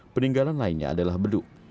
peninggalan lainnya adalah beduk